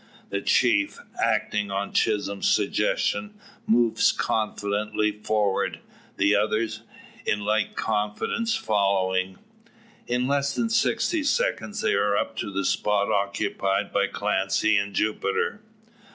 The chief, acting on Chisholm's suggestion, moves confidently forward, the others, in like confidence, following. In less than sixty seconds they are up to the spot occupied by Clancy and Jupiter.